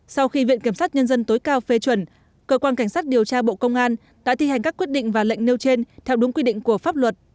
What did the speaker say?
sau khi viện kiểm sát nhân dân tối cao phê chuẩn cơ quan cảnh sát điều tra bộ công an đã thi hành các quyết định và lệnh nêu trên theo đúng quy định của pháp luật